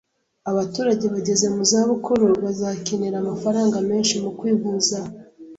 Abaturage bageze mu za bukuru bazakenera amafaranga menshi mu kwivuza.